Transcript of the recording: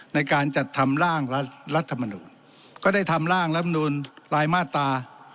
ในการจัดทำร่างรัฐมนุนก็ได้ทำร่างรัฐมนูลรายมาตรา